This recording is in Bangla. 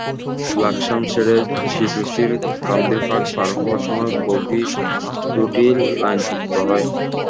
লাকসাম ছেড়ে চিতোষীর কান্দিরপাড় পার হওয়ার সময় বগি দুটি লাইনচ্যুত হয়।